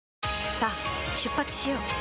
さあ出発しよう。